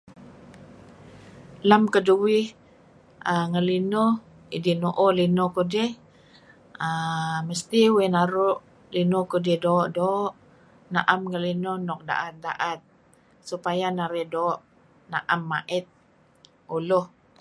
Lem keduih err... ngelinuh idih nu'uh linuh kudih err... mesti uih naru' linuh kudih doo'-doo', na'em ngelinuh nuk da'et-da'et supaya narih doo' na'em ma'it uluh.